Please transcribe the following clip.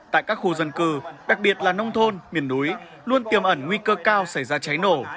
tại các khu dân cư đặc biệt là nông thôn miền núi luôn tiềm ẩn nguy cơ cao xảy ra cháy nổ